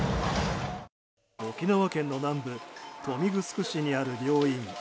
沖縄県の南部豊見城市にある病院。